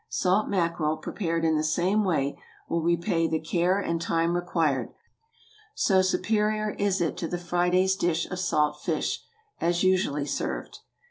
Salt mackerel, prepared in the same way, will repay the care and time required, so superior is it to the Friday's dish of salt fish, as usually served.